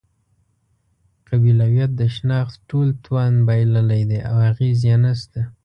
قبیلویت د شناخت ټول توان بایللی دی او اغېز یې نشته.